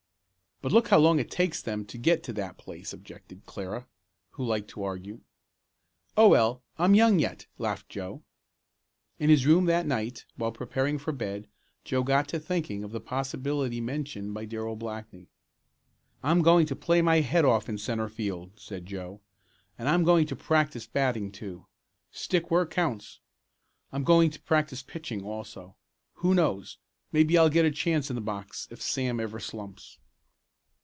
"But look how long it takes them to get to that place," objected Clara, who liked to argue. "Oh, well, I'm young yet," laughed Joe. In his room that night, while preparing for bed Joe got to thinking of the possibility mentioned by Darrell Blackney. "I'm going to play my head off in centre field," said Joe, "and I'm going to practice batting, too. Stick work counts. I'm going to practice pitching, also. Who knows, maybe I'll get a chance in the box if Sam ever slumps.